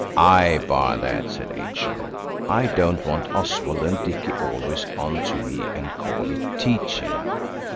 "I bar that," said H.O. "I don't want Oswald and Dicky always on to me and call it teaching."